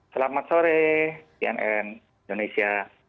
selamat sore tnn indonesia